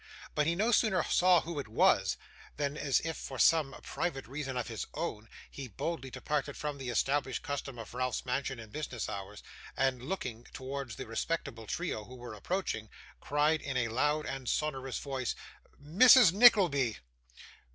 But he no sooner saw who it was, than as if for some private reason of his own, he boldly departed from the established custom of Ralph's mansion in business hours, and looking towards the respectable trio who were approaching, cried in a loud and sonorous voice, 'Mrs Nickleby!